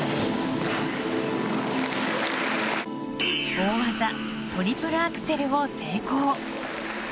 大技トリプルアクセルを成功。